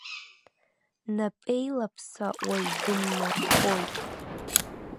Напеилаԥса уаҩ дыннархоит!